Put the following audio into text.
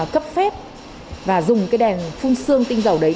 cấp phép và dùng cái đèn phun xương tinh dầu đấy